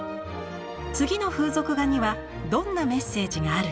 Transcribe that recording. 次の風俗画にはどんなメッセージがあるか？